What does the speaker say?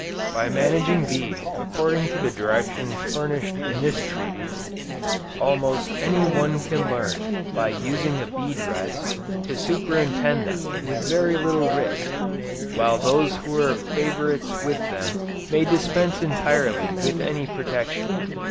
By managing bees according to the directions furnished in this treatise, almost any one can learn, by using a bee dress, to superintend them, with very little risk; while those who are favorites with them, may dispense entirely with any protection.